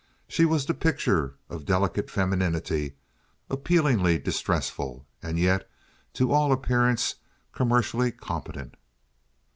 She was the picture of delicate femininity appealingly distressful, and yet to all appearance commercially competent.